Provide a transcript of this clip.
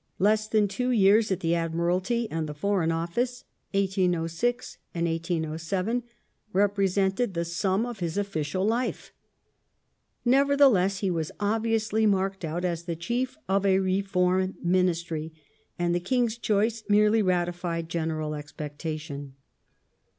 Less than two years at the Admiralty and the Foreign Office (1806 1807) represented the sum of his official life. Nevertheless, he was obviously marked out as the chief of a " Reform " Ministry, and the King's choice merely ratified general expectation.